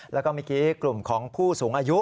แล้วก็เมื่อกี้กลุ่มของผู้สูงอายุ